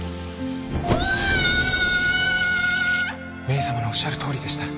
メイさまのおっしゃるとおりでした。